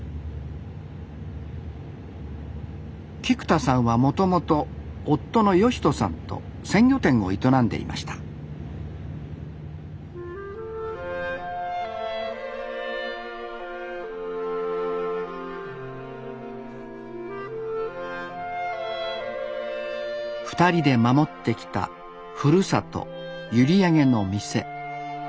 菊田さんはもともと夫の義人さんと鮮魚店を営んでいました２人で守ってきたふるさと閖上の店。